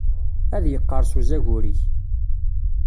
Ad yeqqerṣ uzagur-ik.